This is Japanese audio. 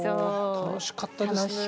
楽しかったですね。